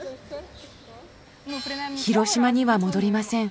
広島には戻りません。